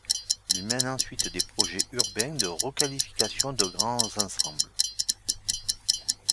Il mène ensuite des projets urbains de requalification de grands ensembles.